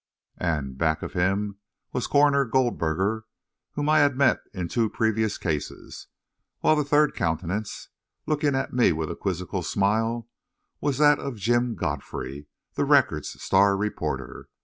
And back of him was Coroner Goldberger, whom I had met in two previous cases; while the third countenance, looking at me with a quizzical smile, was that of Jim Godfrey, the Record's star reporter.